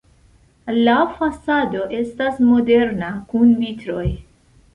La fasado estas moderna kun vitroj.